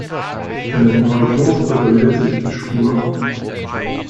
In Neukloster verliert sich die Spur.